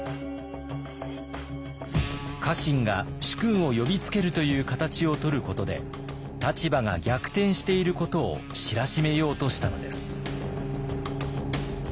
家臣が主君を呼びつけるという形をとることで立場が逆転していることを知らしめようとしたのです。